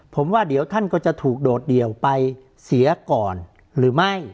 ผมว่าเดี๋ยวท่านก็จะถูกโดดเดี่ยวไปเสียก่อนหรือไม่